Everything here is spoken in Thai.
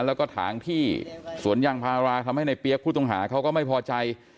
แล้วก็ถางที่สวนยางพาราทำให้ในเปี๊ยกผู้ต้องหาเขาก็ไม่พอใจ